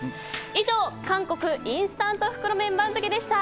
以上韓国インスタント袋麺番付でした。